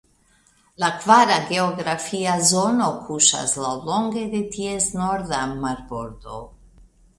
La kvara geografia zono kuŝas laŭlonge de ties norda marbordo.